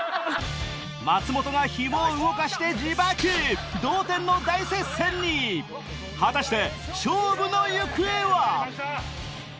松本が紐を動かして自爆同点の大接戦に果たして勝負の行方は？